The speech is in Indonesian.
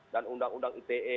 dan undang undang ite